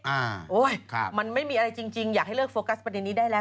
โอ้ยครับมันไม่มีอะไรจริงจริงอยากให้เลิกโฟกัสประเด็นนี้ได้แล้ว